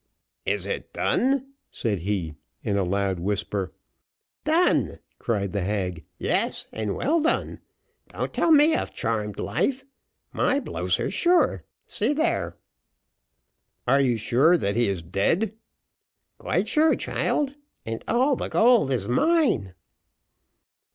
"Is it done?" said he, in a loud whisper. "Done!" cried the hag; "yes, and well done. Don't tell me of charmed life. My blows are sure see there." "Are you sure that he is dead?" "Quite sure, child and all the gold is mine."